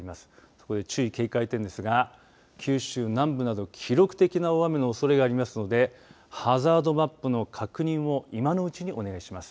そこで注意、警戒点ですが九州南部など記録的の大雨のおそれがありますのでハザードマップの確認を今のうちにお願いします。